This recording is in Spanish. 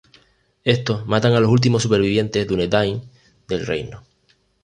Estos matan a los últimos supervivientes dúnedain del reino.